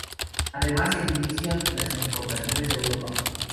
Ademas se inician las exportaciones a Europa.